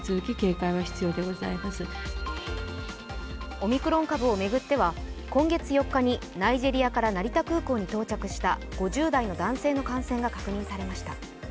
オミクロン株を巡っては今月４日にナイジェリアから成田空港に到着した５０代の男性の感染が確認されました。